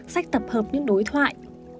sách tập hợp những đối thoại